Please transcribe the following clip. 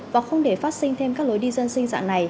và không để phát sinh thêm các lối đi dân sinh dạng này